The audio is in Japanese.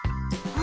あ！